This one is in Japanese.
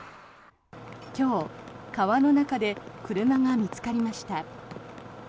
今日、川の中で車が見つかりました。